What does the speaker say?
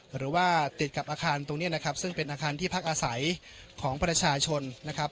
หรือว่าติดกับอาคารตรงนี้นะครับซึ่งเป็นอาคารที่พักอาศัยของประชาชนนะครับ